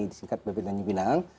jadi disingkat bp tanjung pinang